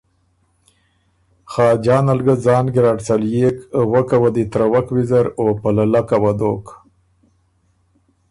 خاجان ال ګۀ ځان ګیرډ څليېک، وکه وه دی ترَوَک ویزر او په للکه وه دوک